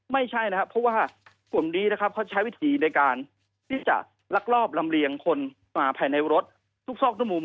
ไม่ใช่นะครับเพราะว่ากลุ่มนี้นะครับเขาใช้วิธีในการที่จะลักลอบลำเลียงคนมาภายในรถทุกซอกทุกมุม